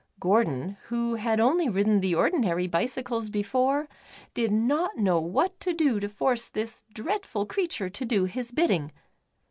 Gordon, who had only ridden the ordinary bicycles before, did not know what to do to force this dreadful creature to do his bidding.